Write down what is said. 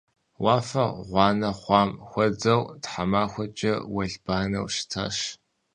Уафэр гъуанэ хъуам хуэдэу тхьэмахуэкӏэ уэлбанэу щытащ.